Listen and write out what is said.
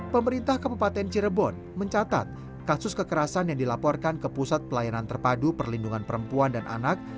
pemerintah kabupaten cirebon mencatat kasus kekerasan yang dilaporkan ke pusat pelayanan terpadu perlindungan perempuan dan anak